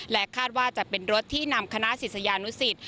คาดว่าจะเป็นรถที่นำคณะศิษยานุสิต